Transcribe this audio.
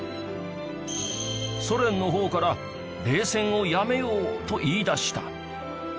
ソ連の方から「冷戦をやめよう」と言いだした